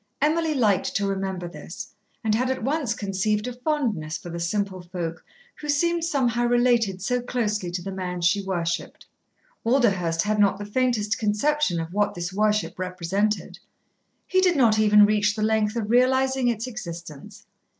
Emily liked to remember this, and had at once conceived a fondness for the simple folk, who seemed somehow related so closely to the man she worshipped. Walderhurst had not the faintest conception of what this worship represented. He did not even reach the length of realising its existence.